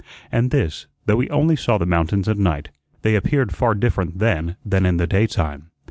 And this, though he only saw the mountains at night. They appeared far different then than in the daytime.